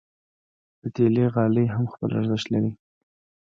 پتېلي غالۍ هم خپل ارزښت لري.